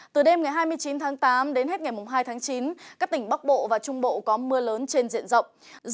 từ đêm ngày hai mươi chín tháng tám đến hết ngày hai tháng chín các tỉnh bắc bộ và trung bộ có mưa lớn trên diện rộng